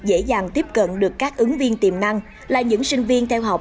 dễ dàng tiếp cận được các ứng viên tiềm năng là những sinh viên theo học